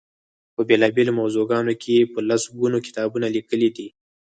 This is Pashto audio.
په بېلا بېلو موضوعګانو کې یې په لس ګونو کتابونه لیکلي دي.